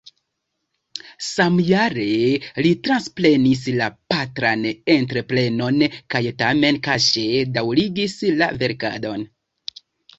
Samjare li transprenis la patran entreprenon kaj tamen kaŝe daŭrigis la verkadon.